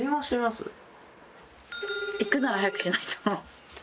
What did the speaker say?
行くなら早くしないと。